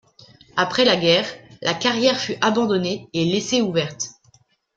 Après la guerre, la carrière fut abandonnée et laissée ouverte.